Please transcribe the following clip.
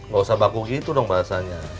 gak usah baku gitu dong bahasanya